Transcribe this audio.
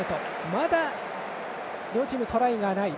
まだ両チーム、トライがない。